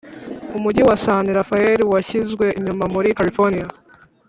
umujyi wa san raphael washyizwe inyuma muri californiya